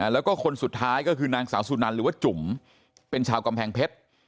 แล้วก็คนสุดท้ายก็คือนางสาวสุนันหรือว่าจุ๋มเป็นชาวกำแพงเพชร